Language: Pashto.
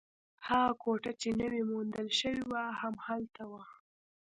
هغه کوټه چې نوې موندل شوې وه، هم هلته وه.